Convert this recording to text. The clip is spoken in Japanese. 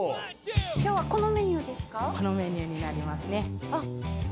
今日はこのメニューですか？